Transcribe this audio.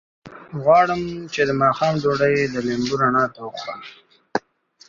غواړم چې د ماښام ډوډۍ د لمبو رڼا ته وخورم.